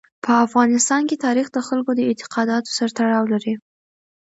په افغانستان کې تاریخ د خلکو د اعتقاداتو سره تړاو لري.